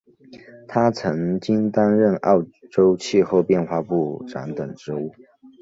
他曾经担任澳洲气候变化部长等职务。